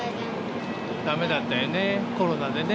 だめだったよね、コロナでね。